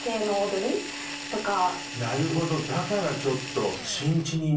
なるほどだからちょっと。